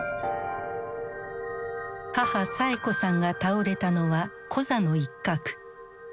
母・サエ子さんが倒れたのはコザの一角。